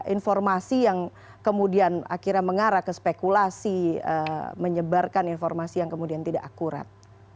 informasi yang kemudian akhirnya mengarah ke spekulasi menyebarkan informasi yang kemudian tidak akurat